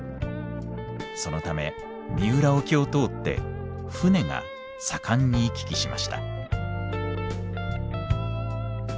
そのため三浦沖を通って舟が盛んに行き来しました。